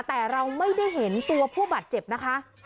แต่เราไม่ได้เห็นตัวผู้บาดเจ็บนะคะ